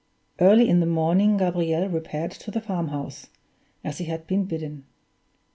Early in the morning Gabriel repaired to the farmhouse, as he had been bidden.